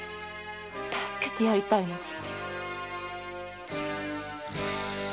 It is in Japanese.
助けてやりたいのじゃ。